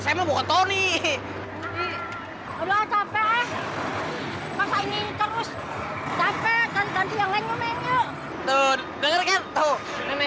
saya mau ke tony udah capek masa ini terus capek nanti yang lainnya men yuk tuh dengerin tuh nenek